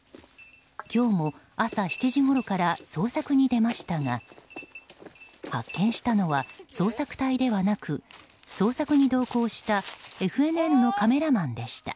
今日も朝７時ごろから捜索に出ましたが発見したのは捜索隊ではなく捜索に同行したＦＮＮのカメラマンでした。